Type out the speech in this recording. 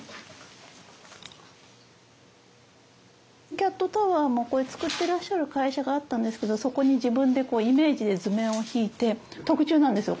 キャットタワーもこれ作ってらっしゃる会社があったんですけどそこに自分でイメージで図面を引いて特注なんですよ